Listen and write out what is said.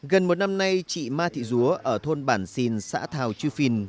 gần một năm nay chị ma thị dúa ở thôn bản xìn xã thảo chư phìn